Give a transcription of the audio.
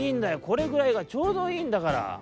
これぐらいがちょうどいいんだから」。